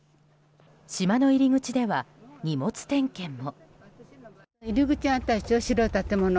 島の入り口では荷物点検も。